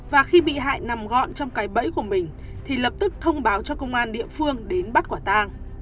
và khi bị hại nằm gọn trong cái bẫy của mình thì lập tức thông báo cho công an địa phương đến bắt quả tang